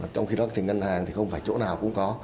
trong khi đó thì ngân hàng thì không phải chỗ nào cũng có